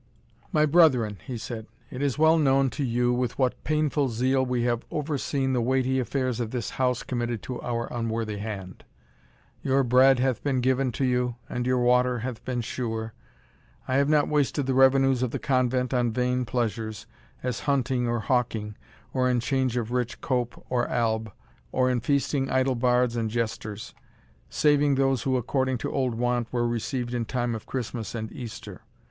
"My brethren," he said, "it is well known to you with what painful zeal we have overseen the weighty affairs of this house committed to our unworthy hand your bread hath been given to you, and your water hath been sure I have not wasted the revenues of the Convent on vain pleasures, as hunting or hawking, or in change of rich cope or alb, or in feasting idle bards and jesters, saving those who, according to old wont, were received in time of Christmas and Easter.